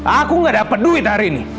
aku gak dapat duit hari ini